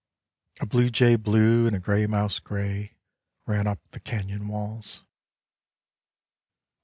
A bluejay blue and a gray mouse gray ran up the canyon walls.